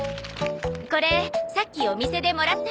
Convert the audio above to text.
これさっきお店でもらったの。